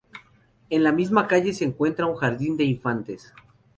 En la misma calle se encuentra un Jardín de Infantes.